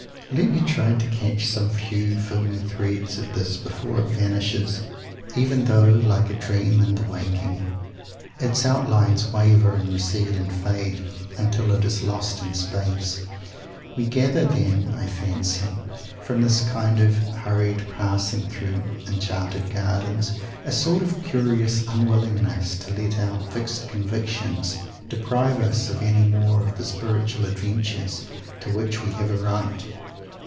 Let me try to catch some few filmy threads of this before it vanishes, even though, like a dream in the waking, its outlines waver and recede and fade, until it is lost in space. We gather, then, I fancy, from this kind of hurried passing through enchanted gardens, a sort of curious unwillingness to let our "fixed convictions" deprive us any more of the spiritual adventures to which we have a right.